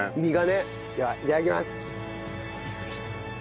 ではいただきます。